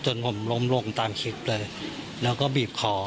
จนผมล้มลงตามคลิปเลยแล้วก็บีบคอ